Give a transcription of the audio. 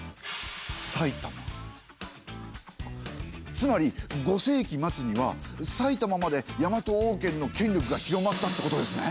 つまり５世紀末には埼玉までヤマト王権の権力が広まったってことですね。